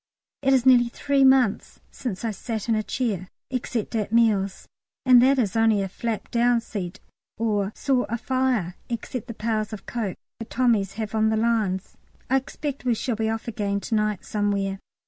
It is nearly three months since I sat in a chair, except at meals, and that is only a flap down seat, or saw a fire, except the pails of coke the Tommies have on the lines. I expect we shall be off again to night somewhere.